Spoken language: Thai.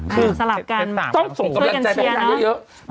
คือสลับกันต้องส่งกำลังใจไปให้นางเยอะ